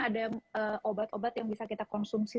ada obat obat yang bisa kita konsumsi